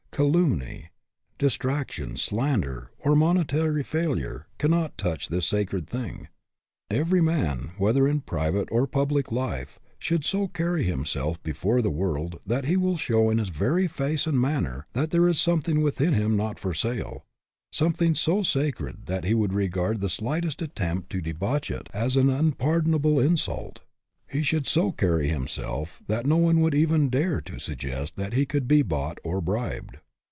Calumny, detrac tion, slander, or monetary failure cannot touch this sacred thing. Every man, whether in private or public life, should so carry himself before the world that he will show in his very face and manner that there is something within him not for sale something so sacred that he would regard the slightest attempt to debauch it as an un 230 SUCCESS WITH A FLAW pardonable insult. He should so carry him self that no one would even dare to suggest that he could be bought or bribed.